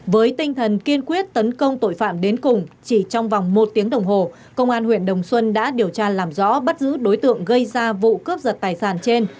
với tinh thần kiên quyết tấn công tội phạm đến cùng chỉ trong vòng một tiếng đồng hồ công an huyện đồng xuân đã điều tra làm rõ bắt giữ đối tượng gây ra vụ cướp giật tài sản trên